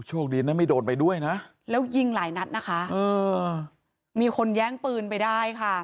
โชคดีนะไม่โดนไปด้วยนะแล้วยิงหลายนัดนะคะเออมีคนแย้งปืนไปได้ค่ะ